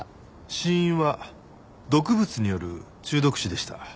死因は毒物による中毒死でした。